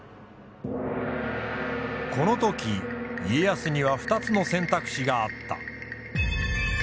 この時家康には２つの選択肢があった。